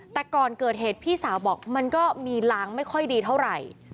แต่ก่อนเกิดเหตุพี่สาวบอกมันก็มีล้างไม่ค่อยดีเท่าไหร่